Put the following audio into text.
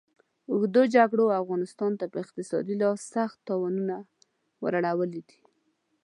اوږدو جګړو افغانستان ته په اقتصادي لحاظ سخت تاوانونه ور اړولي دي.